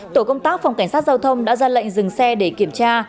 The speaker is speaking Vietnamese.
tổ công tác phòng cảnh sát giao thông đã ra lệnh dừng xe để kiểm tra